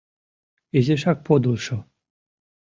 Изишак подылшо.